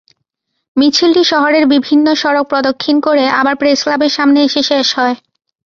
মিছিলটি শহরের বিভিন্ন সড়ক প্রদক্ষিণ করে আবার প্রেসক্লাবের সামনে এসে শেষ হয়।